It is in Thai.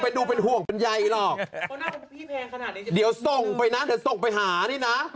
ดูเป็นห่วงเป็นใยหรอกเดี๋ยวส่งไปนะเดี๋ยวส่งไปหานี่นะ